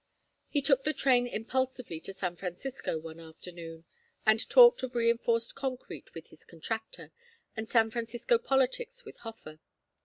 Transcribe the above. He took the train impulsively to San Francisco, one afternoon, and talked of reinforced concrete with his contractor, and San Francisco politics with Hofer.